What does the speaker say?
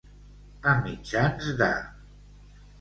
A mitjans de.